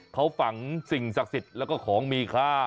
เขาฝังสิ่งศักดิ์สิทธิ์แล้วก็ของมีค่า